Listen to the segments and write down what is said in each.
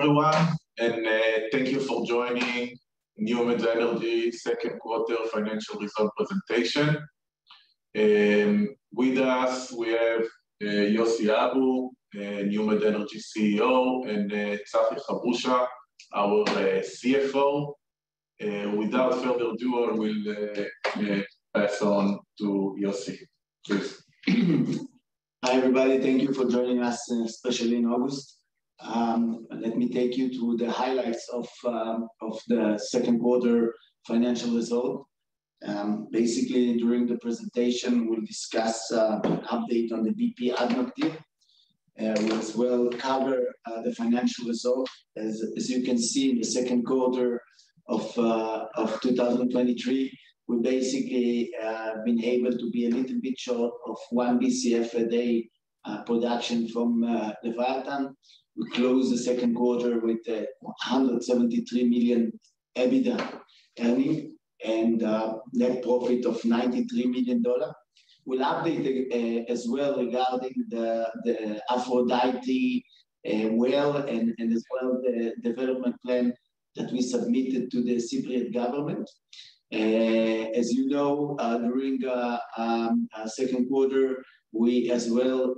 Hello, everyone. Thank you for joining NewMed Energy second quarter financial result presentation. With us, we have Yossi Abu, NewMed Energy CEO, and Tzachi Habusha, our CFO. Without further ado, I will pass on to Yossi. Please. Hi, everybody. Thank you for joining us, especially in August. Let me take you through the highlights of the second quarter financial result. Basically, during the presentation, we'll discuss update on the BP ADNOC deal. We'll as well cover the financial results. As you can see, in the second quarter of 2023, we've basically been able to be a little bit short of 1 BCF a day production from Leviathan. We closed the second quarter with $173 million EBITDA, and net profit of $93 million. We'll update as well regarding the Aphrodite well, and as well the development plan that we submitted to the Cypriot government. As you know, during the second quarter, we as well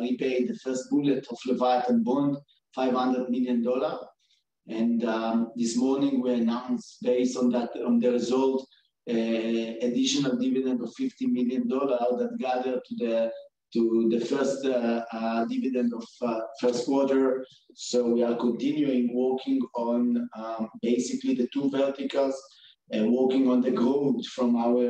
repaid the first bullet of Leviathan Bond, $500 million. This morning we announced, based on that, on the result, additional dividend of $50 million that gather to the first dividend of first quarter. We are continuing working on basically the two verticals and working on the growth from our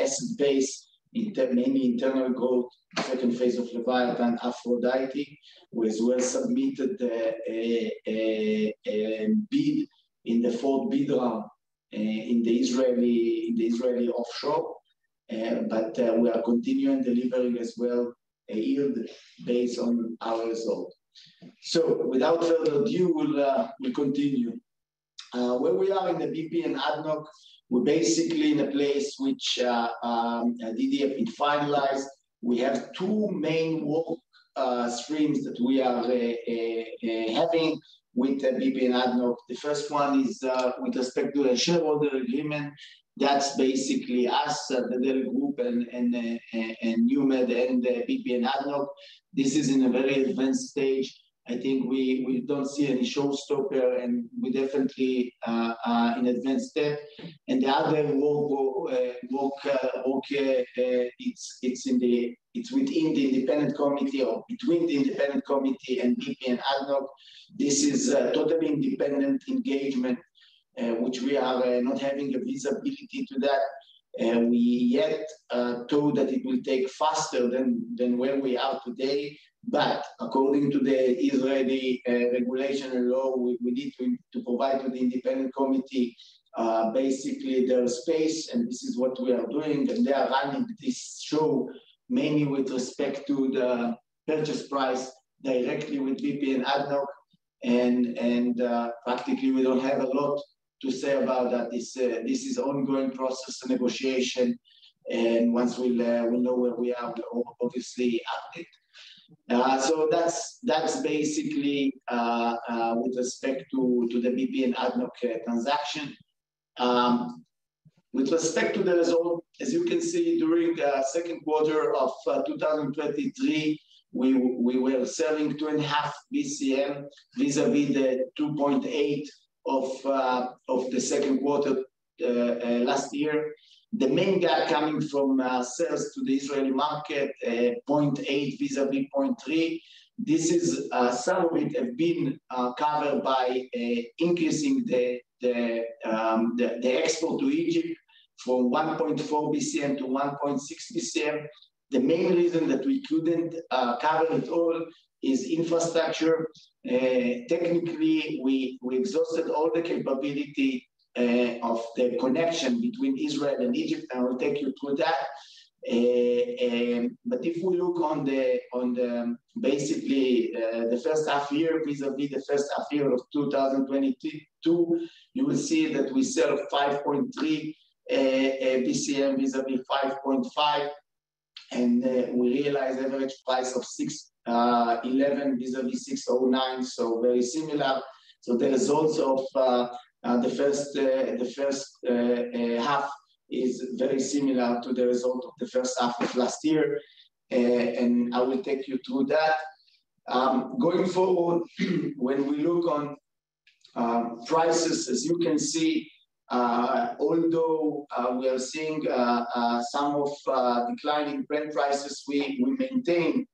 asset base, inter- mainly internal growth, second phase of Leviathan, Aphrodite. We as well submitted a bid in the fourth bidder round in the Israeli, in the Israeli offshore, we are continuing delivering as well a yield based on our result. Without further ado, we'll we continue. Where we are in the BP and ADNOC, we're basically in a place which the deal has been finalized. We have two main work streams that we are having with the BP and ADNOC. The first one is with respect to a shareholder agreement. That's basically us, the Delek Group, and, and NewMed, and the BP and ADNOC. This is in a very advanced stage. I think we, we don't see any showstopper, and we definitely in advanced step. The other work it's within the independent committee or between the independent committee and BP and ADNOC. This is a totally independent engagement, which we are not having a visibility to that, and we yet told that it will take faster than, than where we are today. According to the Israeli regulation and law, we need to provide to the independent committee basically their space, and this is what we are doing. They are running this show mainly with respect to the purchase price directly with BP and ADNOC, and practically, we don't have a lot to say about that. This is ongoing process of negotiation, and once we'll know where we are, we'll obviously update. That's that's basically with respect to the BP and ADNOC transaction. With respect to the result, as you can see, during the second quarter of 2023, we were selling 2.5 BCM, vis-à-vis the 2.8 of the second quarter last year. The main gap coming from sales to the Israeli market, 0.8, vis-à-vis 0.3. This is some of it have been covered by increasing the, the, the, the export to Egypt from 1.4 BCM to 1.6 BCM. The main reason that we couldn't cover it all is infrastructure. Technically, we, we exhausted all the capability of the connection between Israel and Egypt, I will take you through that. If we look on the, on the basically, the first half year, vis-à-vis the first half year of 2022, you will see that we sell 5.3 BCM, vis-à-vis 5.5, and we realize average price of $6.11, vis-à-vis $6.09, so very similar. The results of the first, the first, half is very similar to the result of the first half of last year, and I will take you through that. Going forward, when we look on prices, as you can see, although we are seeing some of declining Brent prices, we maintain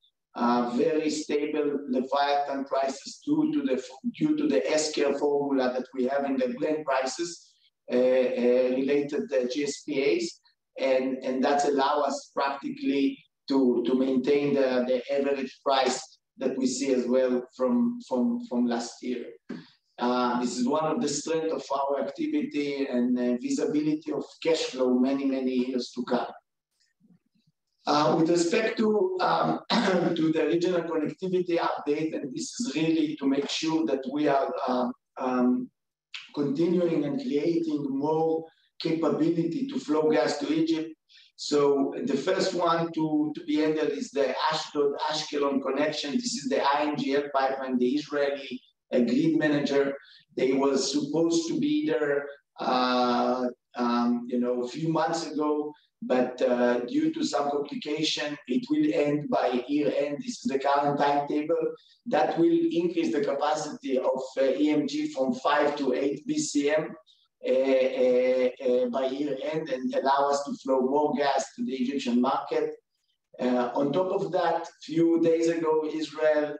very stable Leviathan prices due to the escrow formula that we have in the Brent prices, related the GSPAs, and, and that allow us practically to maintain the average price that we see as well from, from, from last year. This is one of the strength of our activity and the visibility of cash flow many, many years to come. With respect to the regional connectivity update, this is really to make sure that we are continuing and creating more capability to flow gas to Egypt. The first one to be entered is the Ashdod-Ashkelon connection. This is the INGL pipeline, the Israeli grid manager. They was supposed to be there, you know, a few months ago, but due to some complication, it will end by year-end. This is the current timetable. That will increase the capacity of EMG from 5 to 8 BCM by year-end, and allow us to flow more gas to the Egyptian market. On top of that, few days ago, Israel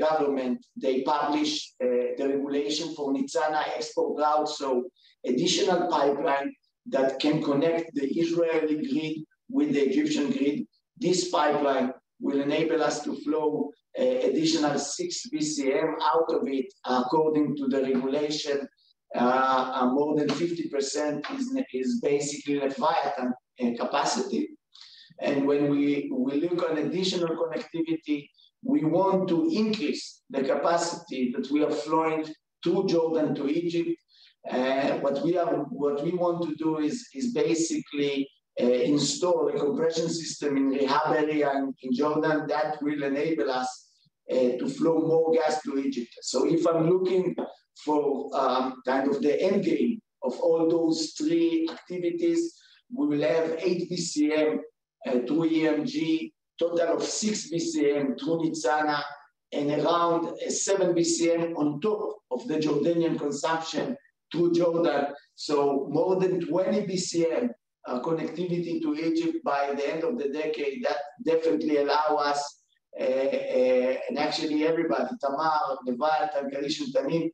government, they published the regulation for Nitzana export route, so additional pipeline that can connect the Israeli grid with the Egyptian grid. This pipeline will enable us to flow, eh, additional 6 BCM out of it, according to the regulation. More than 50% is, is basically required in capacity. When we, we look on additional connectivity, we want to increase the capacity that we are flowing to Jordan, to Egypt. Eh, what we are-- what we want to do is, is basically, eh, install a compression system in the Rehab area in Jordan that will enable us, eh, to flow more gas to Egypt. If I'm looking for, kind of the end game of all those three activities, we will have 8 BCM to EMG, total of 6 BCM to Nitzana, and around 7 BCM on top of the Jordanian consumption to Jordan. More than 20 BCM connectivity to Egypt by the end of the decade, that definitely allow us, and actually everybody, Tamar, Leviathan, Karish and Tanin.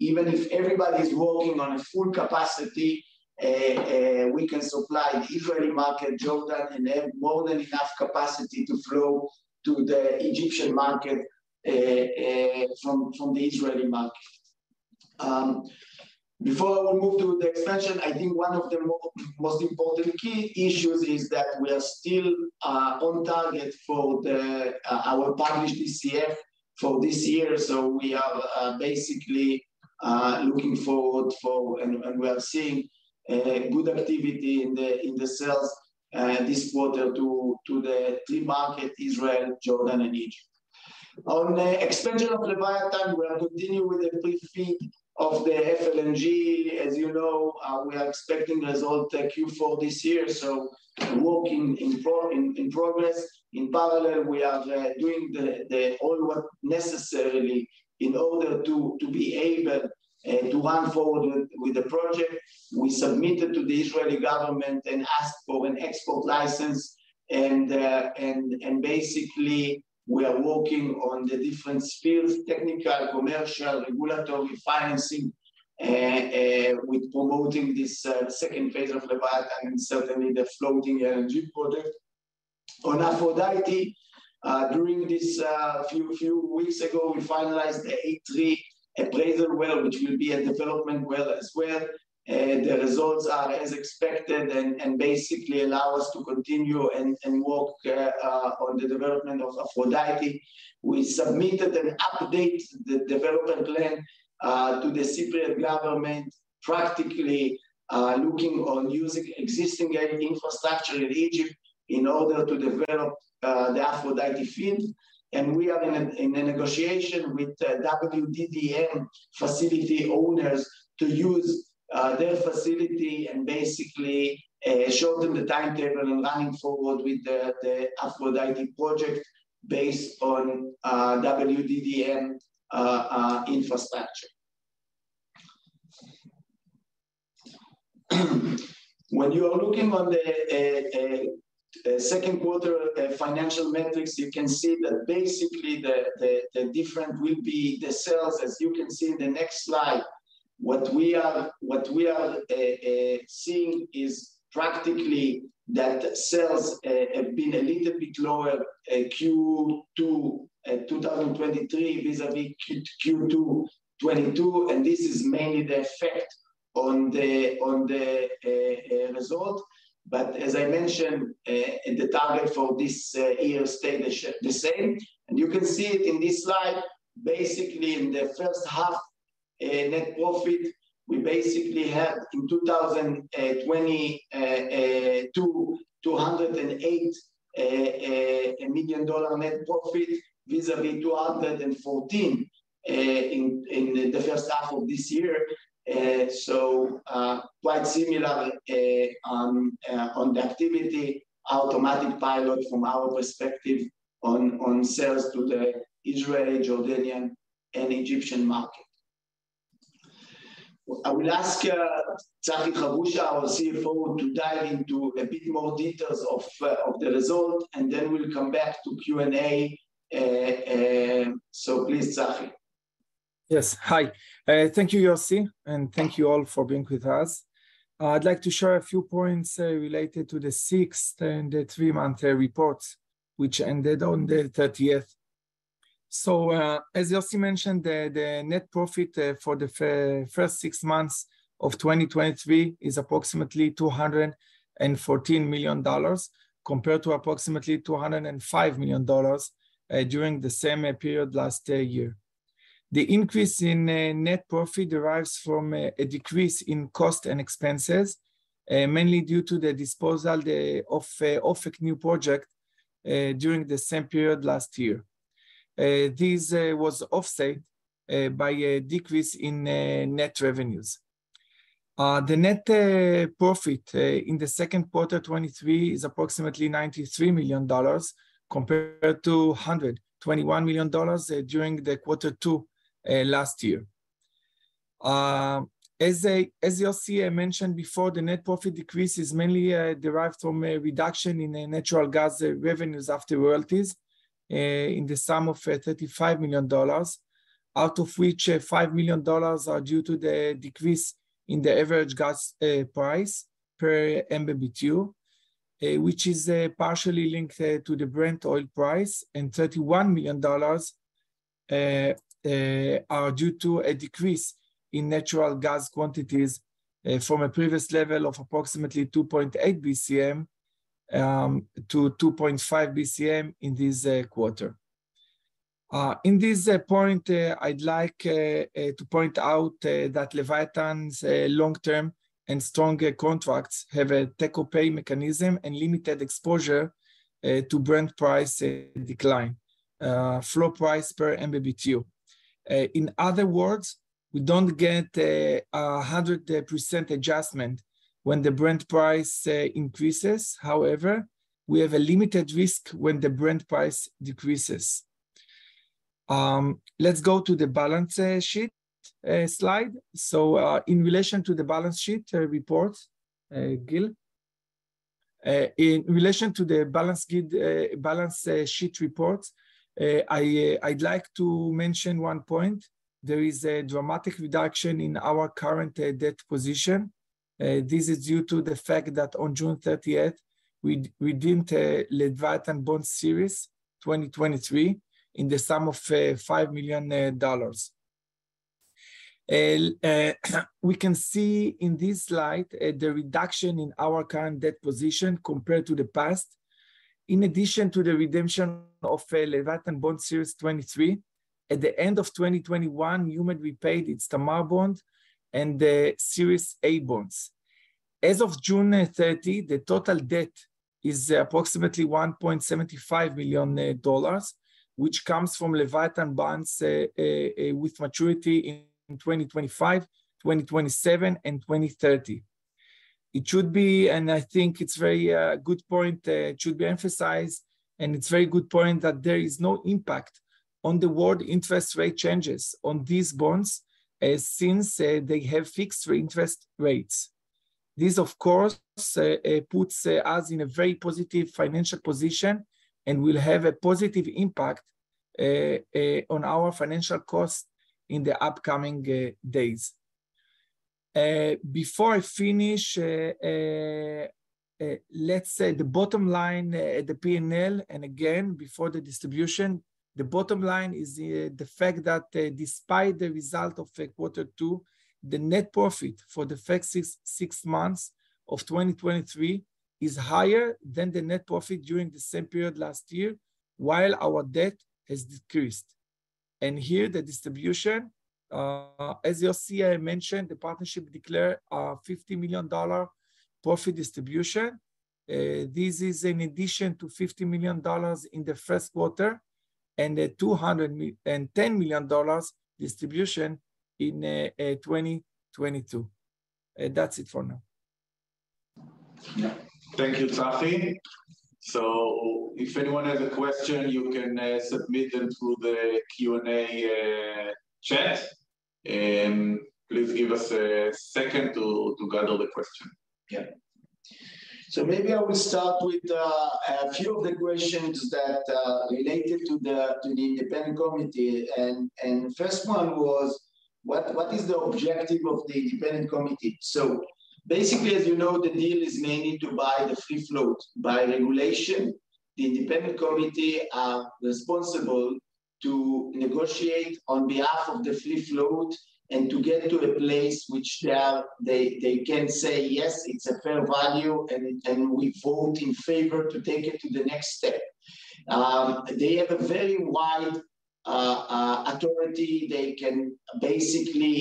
Even if everybody's working on a full capacity, we can supply the Israeli market, Jordan, and have more than enough capacity to flow to the Egyptian market from the Israeli market. Before we move to the expansion, I think one of the most important key issues is that we are still on target for the our published DCF for this year. We are basically looking forward for, and we are seeing good activity in the sales this quarter to the three market, Israel, Jordan and Egypt. On the expansion of Leviathan, we are continuing with the pre-FEED of the FLNG. As you know, we are expecting result Q4 this year, so working in progress. In parallel, we are doing the all what necessarily in order to be able to run forward with the project. We submitted to the Israeli government and asked for an export license, and basically, we are working on the different spheres, technical, commercial, regulatory, financing, with promoting this second phase of Leviathan and certainly the Floating LNG project. On Aphrodite, during this few weeks ago, we finalized the A-3 appraiser well, which will be a development well as well. The results are as expected and basically allow us to continue and work on the development of Aphrodite. We submitted an update, the development plan, to the Cypriot government, practically looking on using existing infrastructure in Egypt in order to develop the Aphrodite field. We are in a negotiation with WDDM facility owners to use their facility and basically show them the timetable in line forward with the Aphrodite project based on WDDM infrastructure. When you are looking on the second quarter financial metrics, you can see that basically the different will be the sales, as you can see in the next slide. What we are, what we are seeing is practically that sales have been a little bit lower Q2 2023, vis-a-vis Q2 2022, and this is mainly the effect on the result. As I mentioned, the target for this year stay the same. You can see it in this slide, basically in the first half, net profit, we basically have in 2022, $208 million net profit, vis-a-vis $214 in the first half of this year. Quite similar on the activity, automatic pilot from our perspective on sales to the Israeli, Jordanian, and Egyptian market. I will ask Tzachi Habusha, our CFO, to dive into a bit more details of the result, and then we'll come back to Q&A. Please, Tzachi. Yes. Hi. Thank you, Yossi, and thank you all for being with us. I'd like to share a few points related to the 6th and the three-month report, which ended on the 30th. As Yossi mentioned, the net profit for the first six months of 2023 is approximately $214 million, compared to approximately $205 million during the same period last year. The increase in net profit derives from a decrease in cost and expenses, mainly due to the disposal of a new project during the same period last year. This was offset by a decrease in net revenues. The net profit in the second quarter, 2023, is approximately $93 million, compared to $121 million during the second quarter last year. As I, as you'll see, I mentioned before, the net profit decrease is mainly derived from a reduction in the natural gas revenues after royalties, in the sum of $35 million, out of which $5 million are due to the decrease in the average gas price per MMBtu, which is partially linked to the Brent oil price, and $31 million are due to a decrease in natural gas quantities, from a previous level of approximately 2.8 BCM to 2.5 BCM in this quarter. In this point, I'd like to point out that Leviathan's long-term and strong contracts have a take-or-pay mechanism and limited exposure to Brent price decline, floor price per MMBtu. In other words, we don't get a 100% adjustment when the Brent price increases. However, we have a limited risk when the Brent price decreases. Let's go to the balance sheet slide. In relation to the balance sheet report, Gil. In relation to the balance sheet, balance sheet report, I'd like to mention one point. There is a dramatic reduction in our current debt position. This is due to the fact that on June 30th, we redeemed a Leviathan Bond Series 2023, in the sum of $5 million. We can see in this slide, the reduction in our current debt position compared to the past. In addition to the redemption of a Leviathan Bond Series 23, at the end of 2021, NewMed Energy repaid its Tamar Bond and the Series A bonds. As of June 30, the total debt is approximately $1.75 million, which comes from Leviathan bonds with maturity in 2025, 2027, and 2030. It should be, and I think it's very good point, it should be emphasized, and it's very good point that there is no impact on the world interest rate changes on these bonds, since they have fixed interest rates. This, of course, puts us in a very positive financial position and will have a positive impact on our financial costs in the upcoming days. Before I finish, let's say the bottom line, the PNL, and again, before the distribution, the bottom line is the, the fact that, despite the result of the quarter two, the net profit for the first six months of 2023 is higher than the net profit during the same period last year, while our debt has decreased. Here, the distribution, as you'll see, I mentioned, the partnership declared a $50 million profit distribution. This is in addition to $50 million in the first quarter, and a 200 mil- and $10 million distribution in 2022. That's it for now. Yeah. Thank you, Tzachi. If anyone has a question, you can submit them through the Q&A chat, please give us a second to gather the question. Yeah. Maybe I will start with a few of the questions that related to the independent committee. First one was, what is the objective of the independent committee? Basically, as you know, the deal is mainly to buy the free float. By regulation, the independent committee are responsible to negotiate on behalf of the free float and to get to a place which they can say, "Yes, it's a fair value, and we vote in favor to take it to the next step." They have a very wide authority. They can basically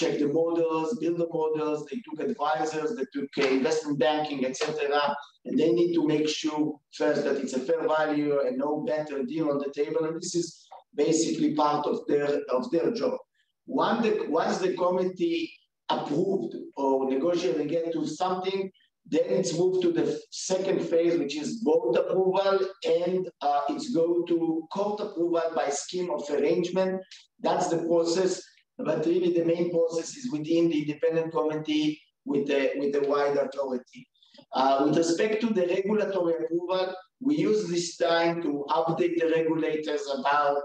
check the models, build the models. They took advisors, they took investment banking, et cetera, and they need to make sure first that it's a fair value and no better deal on the table, and this is basically part of their, of their job. Once the committee approved or negotiated and get to something, then it's moved to the second phase, which is board approval, and it's go to court approval by scheme of arrangement. That's the process, but really the main process is within the independent committee, with the, with the wide authority. With respect to the regulatory approval, we use this time to update the regulators about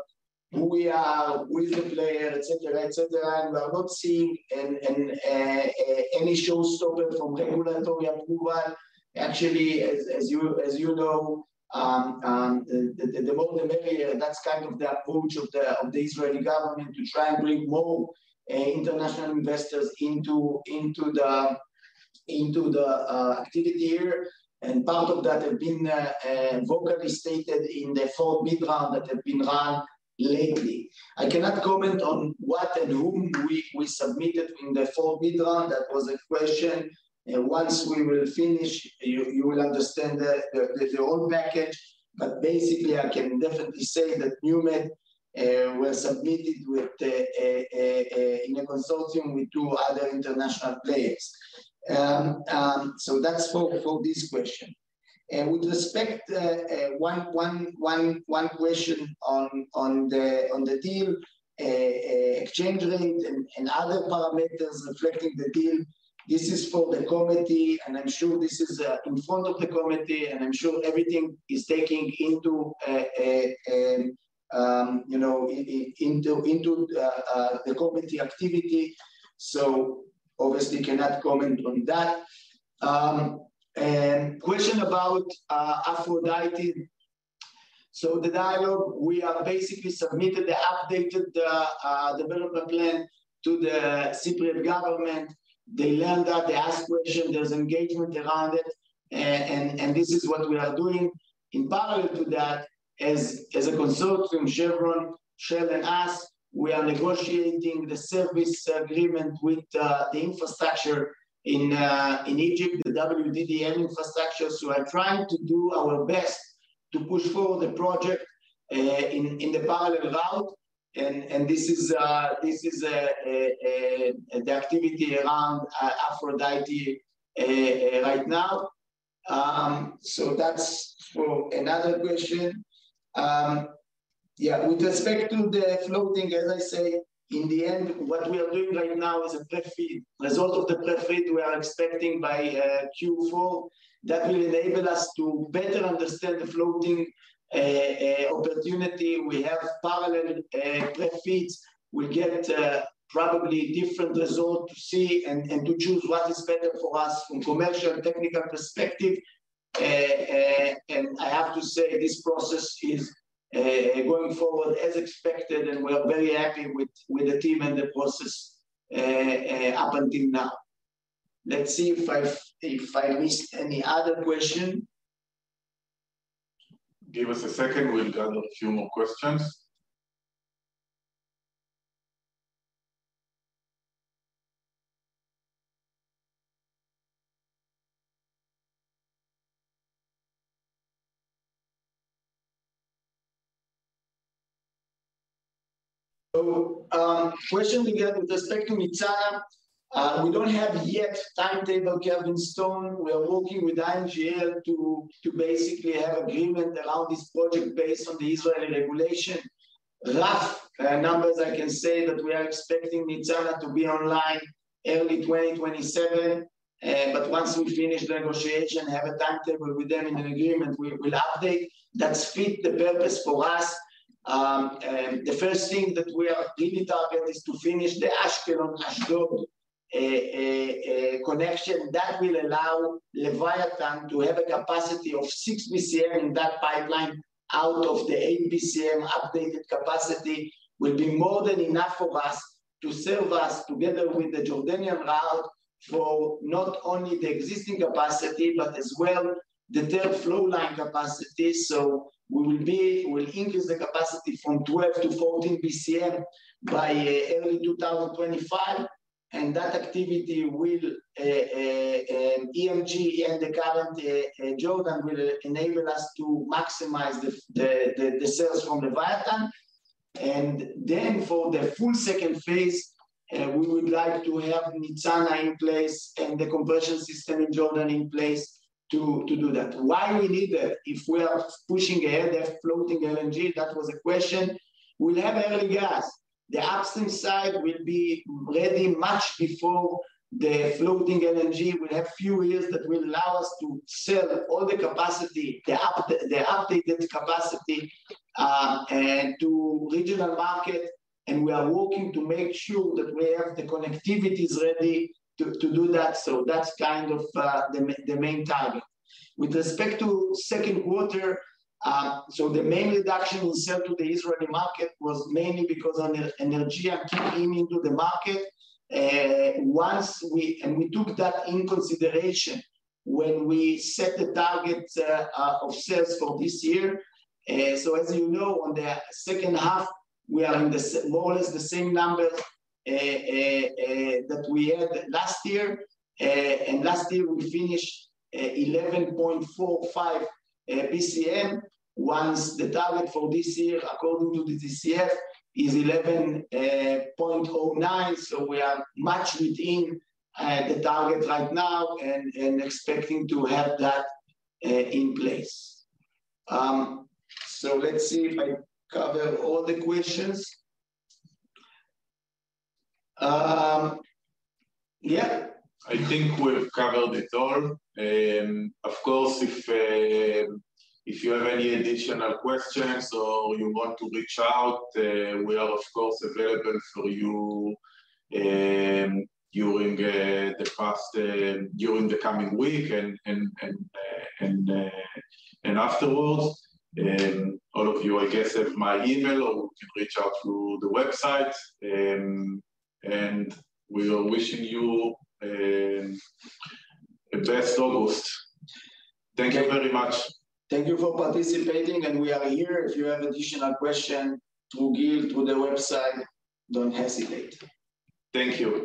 who we are, with the player, et cetera, et cetera, and we are not seeing any showstopper from regulatory approval. Actually, as, as you, as you know, the, the, the modern area, that's kind of the approach of the Israeli government to try and bring more international investors into, into the, into the activity here. Part of that have been vocally stated in the fourth bidder round that have been run lately. I cannot comment on what and whom we, we submitted in the fourth bidder round. That was a question, and once we will finish, you, you will understand the, the, the whole package. Basically, I can definitely say that NewMed was submitted with a in a consortium with two other international players. That's for, for this question. Uh, with respect to, uh, one, one, one, one question on, on the, on the deal, uh, uh, exchange rate and, and other parameters affecting the deal, this is for the committee, and I'm sure this is, uh, in front of the committee, and I'm sure everything is taking into a, a, a, um, you know, i-into, into the, uh, the committee activity. So obviously cannot comment on that. Um, and question about, uh, Aphrodite. So the dialogue, we have basically submitted the updated, uh, development plan to the Cypriot government. They learned that, they asked question, there's engagement around it, and, and, and this is what we are doing. In parallel to that, as, as a consortium, Chevron, Shell, and us, we are negotiating the service agreement with the, the infrastructure in, uh, in Egypt, the WDDM infrastructure. We are trying to do our best to push forward the project in, in the parallel route, and, and this is the activity around Aphrodite right now. That's for another question. Yeah, with respect to the floating, as I say, in the end, what we are doing right now is a pre-FEED. Result of the pre-FEED, we are expecting by Q4. That will enable us to better understand the floating opportunity. We have parallel pre-FEEDs. We get probably different result to see and, and to choose what is better for us from commercial technical perspective. And I have to say, this process is going forward as expected, and we are very happy with, with the team and the process up until now. Let's see if I, if I missed any other question. Give us a second. We'll gather a few more questions. Question again, with respect to Mitzrah, we don't have yet timetable carved in stone. We are working with INGL to basically have agreement around this project based on the Israeli regulation. Rough numbers I can say that we are expecting Mitzrah to be online early 2027, but once we finish negotiation, have a timetable with them in an agreement, we will update. That fit the purpose for us. The first thing that we are really target is to finish the Ashkelon-Ashdod connection. That will allow Leviathan to have a capacity of 6 BCM in that pipeline out of the 8 BCM updated capacity, will be more than enough for us to serve us together with the Jordanian route for not only the existing capacity, but as well the third flow line capacity. We'll increase the capacity from 12 to 14 BCM by early 2025, and that activity will EMG and the current Jordan will enable us to maximize the the the sales from Leviathan. For the full second phase, we would like to have Mitzrah in place and the conversion system in Jordan in place to, to do that. Why we need that? If we are pushing ahead the Floating LNG, that was a question. We'll have early gas. The upstream side will be ready much before the Floating LNG. We'll have few years that will allow us to sell all the capacity, the up, the updated capacity, and to regional market, and we are working to make sure that we have the connectivities ready to, to do that. That's kind of the main target. With respect to second quarter, the main reduction we sell to the Israeli market was mainly because Energean came into the market, once we and we took that in consideration when we set the target of sales for this year. As you know, on the second half, we are in the more or less the same numbers that we had last year. Last year, we finished 11.45 BCM. Once the target for this year, according to the DCF, is 11.09, we are much within the target right now and expecting to have that in place. Let's see if I covered all the questions. Yeah. I think we've covered it all. Of course, if you have any additional questions or you want to reach out, we are, of course, available for you, during the past, during the coming week and, and, and, and, and afterwards. All of you, I guess, have my email or you can reach out through the website. We are wishing you the best, August. Thank you very much. Thank you for participating. We are here. If you have additional question, through Gil, through the website, don't hesitate. Thank you.